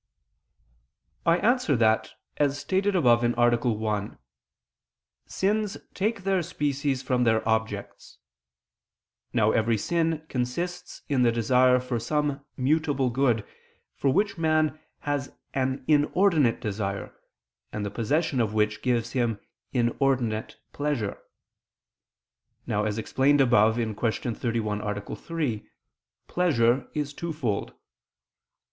I answer that, As stated above (A. 1), sins take their species from their objects. Now every sin consists in the desire for some mutable good, for which man has an inordinate desire, and the possession of which gives him inordinate pleasure. Now, as explained above (Q. 31, A. 3), pleasure is twofold.